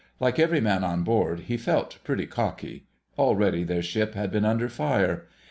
Like every man on board he felt pretty cocky. Already their ship had been under fire.